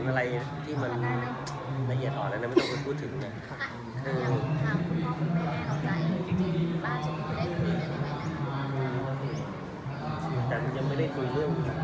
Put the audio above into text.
แต่ไม่ได้คุยเรื่องอะไรละเอียดนะแต่ว่าคุยเรื่องสารทุกข์สุขฤตอะไรอย่างเงี้ยไปมาอาหารเช็ยวอะไรอย่างเงี้ย